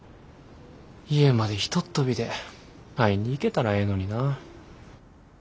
家までひとっ飛びで会いに行けたらええのにな。